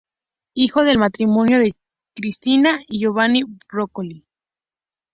Hijo del matrimonio de Christina y Giovanni Broccoli.